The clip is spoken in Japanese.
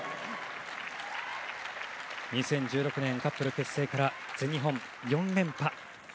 ２０１６年カップル結成から全日本４連覇。